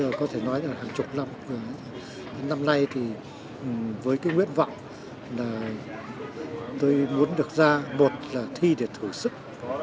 tôi có thể nói là hàng chục năm nay thì với cái nguyện vọng là tôi muốn được ra một là thi để thử sức